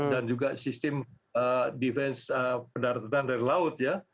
dan juga sistem defense penerbangan dari laut ya